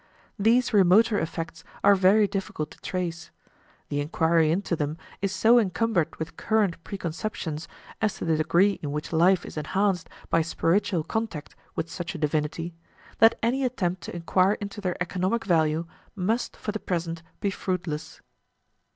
These remoter effects are very difficult to trace. The inquiry into them is so encumbered with current preconceptions as to the degree in which life is enhanced by spiritual contact with such a divinity, that any attempt to inquire into their economic value must for the present be fruitless.